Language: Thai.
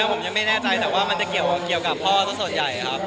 ผมยังไม่แน่ใจแต่ว่ามันจะเกี่ยวกับพ่อสักส่วนใหญ่ครับ